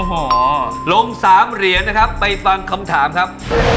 ลง๓เหรียญนะครับไปฟังคำถามครับ